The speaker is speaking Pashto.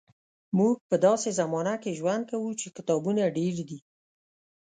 موږ په داسې زمانه کې ژوند کوو چې کتابونه ډېر دي.